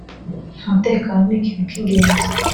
umutekano nikintu kingenzi.